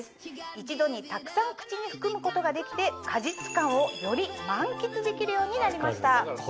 一度にたくさん口に含むことができて果実感をより満喫できるようになりました。